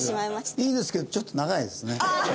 いいですけどちょっと長いですね。